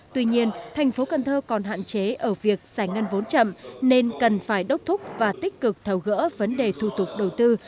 tuy nhiên thành phố cần thơ còn hạn chế ở việc giải ngân vốn chậm nên cần phải đốc thúc và tích cực thầu gỡ vấn đề thủ tục đầu tư